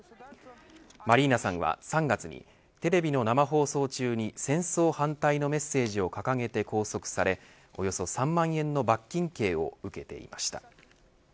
マリーナさんは３月にテレビの生放送中に戦争反対のメッセージを掲げて拘束されおよそ３万円の罰金刑を受けていました。